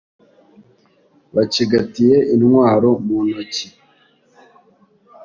bacigatiye intwaro mu ntoki